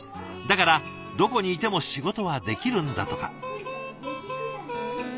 だからどこにいても仕事はできるんだとか。